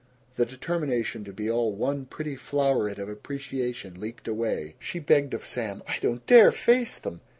The determination to be all one pretty flowerlet of appreciation leaked away. She begged of Sam, "I don't dare face them!